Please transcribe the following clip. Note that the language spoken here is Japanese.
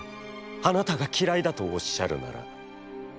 あなたがきらいだとおっしゃるなら」。